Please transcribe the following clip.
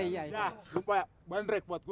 jah lupa ya banderek buat gua